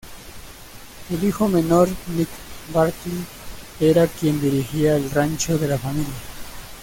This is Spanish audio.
El hijo menor Nick Barkley era quien dirigía el rancho de la familia.